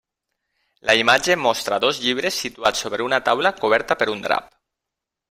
La imatge mostra dos llibres situats sobre una taula coberta per un drap.